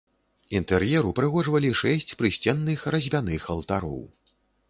Інтэр'ер упрыгожвалі шэсць прысценных разьбяных алтароў.